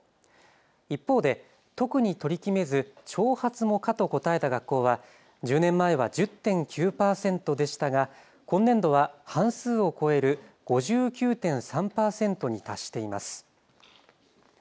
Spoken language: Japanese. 一方で特に取り決めず長髪も可と答えた学校は１０年前は１０．９％でしたが今年度は半数を超える５９．３％に達しています。